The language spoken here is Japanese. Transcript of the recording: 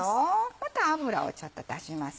また油をちょっと足します。